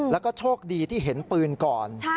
แล้วก็โชคดีที่เห็นปืนก่อน